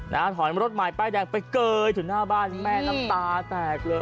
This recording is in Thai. ถอยรถใหม่ป้ายแดงไปเกยถึงหน้าบ้านแม่น้ำตาแตกเลย